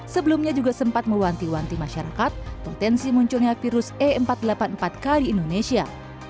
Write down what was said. sebelumnya juga sempat mewanti wanti masyarakat potensi munculnya virus e empat ratus delapan puluh empat k di indonesia